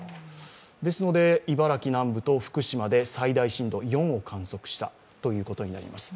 茨城南部と福島で最大震度４を観測したということになります。